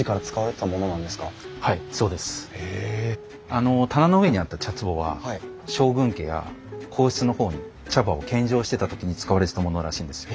あの棚の上にあった茶つぼは将軍家や皇室のほうに茶葉を献上してた時に使われてたものらしいんですよ。